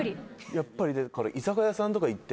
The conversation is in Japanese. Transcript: やっぱり。